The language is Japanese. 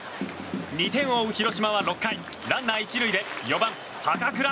２点を追う広島は６回ランナー１塁で４番、坂倉。